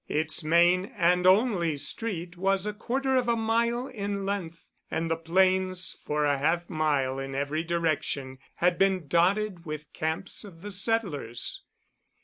Its main (and only) street was a quarter of a mile in length, and the plains for a half mile in every direction had been dotted with the camps of the settlers.